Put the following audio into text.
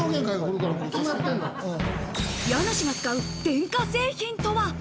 家主が使う電化製品とは。